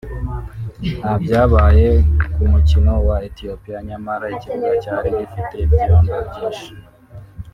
ntabyabaye ku mukino wa Ethiopia nyamara ikibuga cyari gifitemo imyobo myinshi